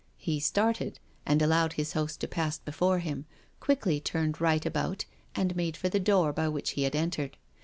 He started, and allowing his host to pass before him, quickly turned right about and made for the door by which he had entered.